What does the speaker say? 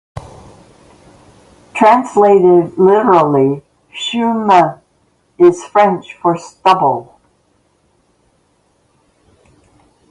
Translated literally, "chaumes" is French for "stubble".